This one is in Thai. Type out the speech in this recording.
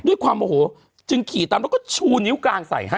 ด้วยความโอโหจึงขี่ตามแล้วก็ชูนิ้วกลางใส่ฮะ